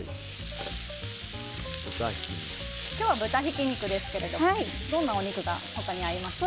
今日は豚ひき肉ですけれどどんなお肉が他にありますか？